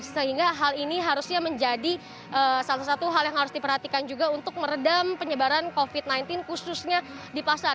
sehingga hal ini harusnya menjadi salah satu hal yang harus diperhatikan juga untuk meredam penyebaran covid sembilan belas khususnya di pasar